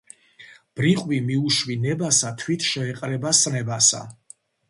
ბრიყვი მიუშვი ნებასა, თვით შეეყრება სნებასა